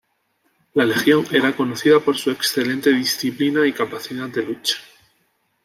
La Legión era conocida por su excelente disciplina y capacidad de lucha.